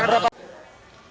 karena yang cepat